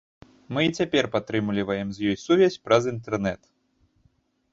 Мы і цяпер падтрымліваем з ёй сувязь праз інтэрнэт.